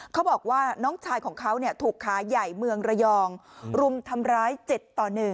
เขาบอกว่าน้องชายของเขาถูกขาใหญ่เมืองระยองรุมทำร้าย๗ต่อ๑